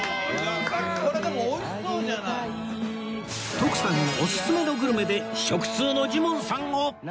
徳さんオススメのグルメで食通のジモンさんを